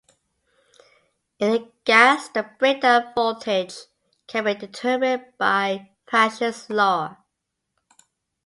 In a gas, the breakdown voltage can be determined by Paschen's law.